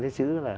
cái chữ là